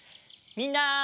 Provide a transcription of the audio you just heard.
みんな。